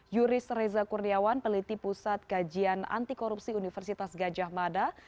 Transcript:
yuris reza kurniawan peliti pusat gajian antikorupsi universitas gajah mada